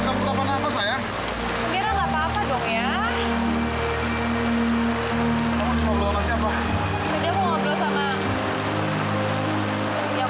ya tapi pastinya nggak ada bapaknya lah di konding ayang